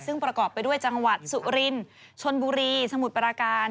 ซึ่งประกอบไปด้วยจังหวัดสุรินชนบุรีสมุทรปราการ